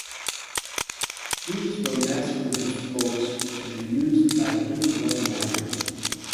These were mass-produced boats to be used by only one rider.